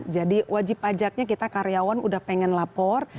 wajib pajaknya kita karyawan udah pengen lapor